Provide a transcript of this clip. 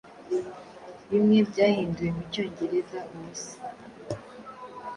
bimwe byahinduwe mucyongereza ubusa-